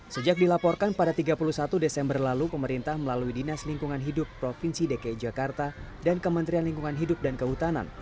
sejak dilaporkan pada tiga puluh satu desember lalu pemerintah melalui dinas lingkungan hidup provinsi dki jakarta dan kementerian lingkungan hidup dan kehutanan